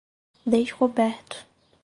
Descoberto